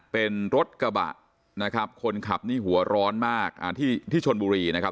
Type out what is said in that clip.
เป็นรถกระบะคนขับหัวร้อนมากที่ชนบุรี